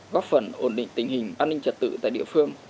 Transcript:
góp phần ổn định tình hình an ninh trật tự tại địa phương